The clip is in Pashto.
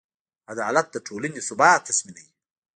عدالت د ټولنې ثبات تضمینوي.